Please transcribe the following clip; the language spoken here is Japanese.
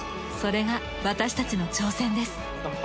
それが私たちの挑戦です。